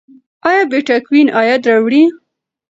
ایا بېټکوین عاید راوړي؟